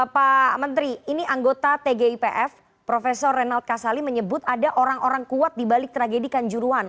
pak menteri ini anggota tgipf prof renald kasali menyebut ada orang orang kuat dibalik tragedi kanjuruan